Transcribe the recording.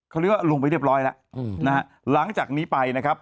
เขาเรียกว่าลงไปเรียบร้อยแล้วนะฮะหลังจากนี้ไปนะครับ